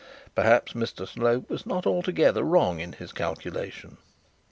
Perhaps Mr Slope was not altogether wrong in his calculation.